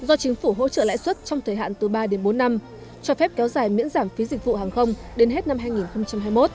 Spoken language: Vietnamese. do chính phủ hỗ trợ lãi suất trong thời hạn từ ba đến bốn năm cho phép kéo dài miễn giảm phí dịch vụ hàng không đến hết năm hai nghìn hai mươi một